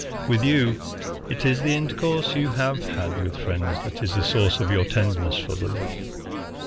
With you, it is the intercourse you have had with friends that is the source of your tenderness for them.